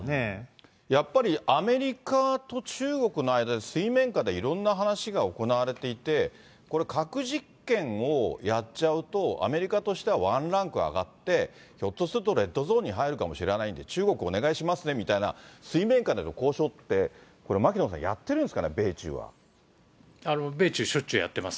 やっぱりアメリカと中国の間で、水面下でいろんな話が行われていて、これ、核実験をやっちゃうと、アメリカとしてはワンランク上がって、ひょっとするとレッドゾーンに入るかもしれないと、中国、お願いしますねみたいな、水面下での交渉って、牧野さん、米中、しょっちゅうやってます。